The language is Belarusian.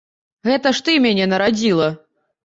Гэта ж ты мяне нарадзіла.